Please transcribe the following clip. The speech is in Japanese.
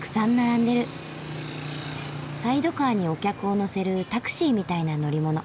サイドカーにお客を乗せるタクシーみたいな乗り物。